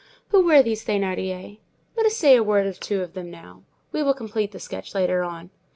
Who were these Thénardiers? Let us say a word or two of them now. We will complete the sketch later on.